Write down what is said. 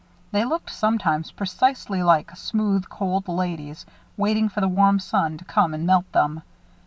They looked, sometimes, precisely like smooth, cold ladies, waiting for the warm sun to come and melt them.